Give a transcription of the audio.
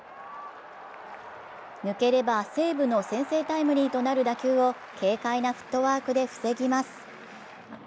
抜ければ西武の先制タイムリーとなる打球を軽快なフットワークで防ぎます。